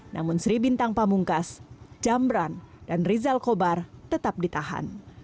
namun sri bintang pamungkas jambran dan rizal kobar tetap ditahan